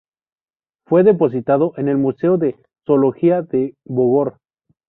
Fue depositado en el Museo de Zoología de Bogor.